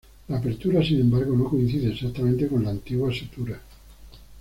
La apertura, sin embargo, no coincide exactamente con la antigua sutura.